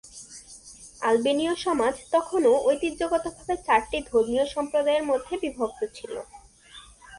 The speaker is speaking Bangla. আলবেনীয় সমাজ তখনও ঐতিহ্যগতভাবে চারটি ধর্মীয় সম্প্রদায়ের মধ্যে বিভক্ত ছিল।